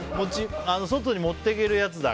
外に持っていけるやつだ。